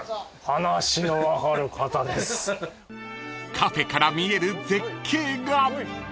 ［カフェから見える絶景が］